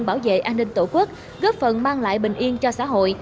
bảo vệ an ninh tổ quốc góp phần mang lại bình yên cho xã hội